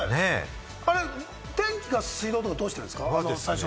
あれ電気とか水道、どうしてるんですか？